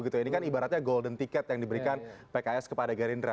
ini kan ibaratnya golden ticket yang diberikan pks kepada gerindra